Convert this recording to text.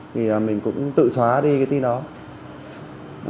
thì mình cũng tự xóa đi cái tin đó